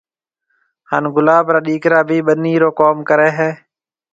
هانَ گلاب را ڏِيڪرا بي ٻنِي رو ڪوم ڪريَ هيَ۔